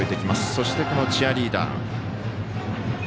そして、このチアリーダー。